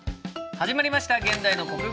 始まりました「現代の国語」。